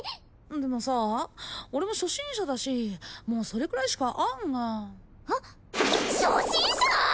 でもさ俺も初心者だしもうそれくらいしか案がハッ初心者！？